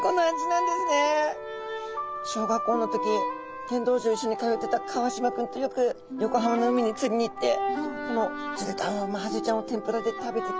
小学校の時剣道場一緒に通ってた川島君とよく横浜の海に釣りに行ってこの釣れたマハゼちゃんを天ぷらで食べてたんですね。